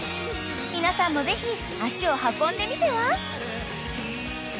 ［皆さんもぜひ足を運んでみては？］